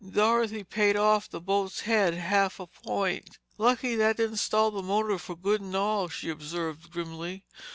Dorothy paid off the boat's head half a point. "Lucky that didn't stall the motor for good and all," she observed grimly.